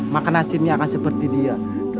maka nasim akan seperti dia